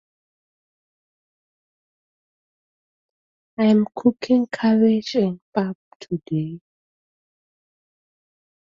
There is no script, but efforts are on to develop one.